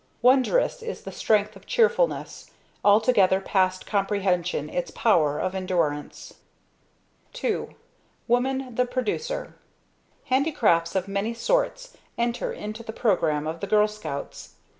Wondrous is the strength of cheerfulness; altogether past comprehension its power of endurance." II. Woman, the producer. Handicrafts of many sorts enter into the program of the Girl Scouts.